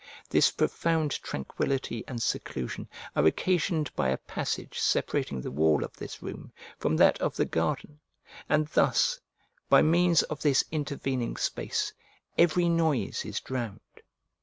This profound tranquillity and seclusion are occasioned by a passage separating the wall of this room from that of the garden, and thus, by means of this intervening space, every noise is drowned.